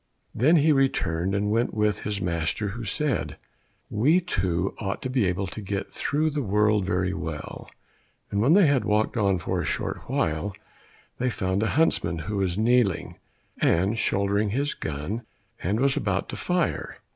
Then he returned and went with his master, who said, "We two ought to be able to get through the world very well," and when they had walked on for a short while they found a huntsman who was kneeling, had shouldered his gun, and was about to fire.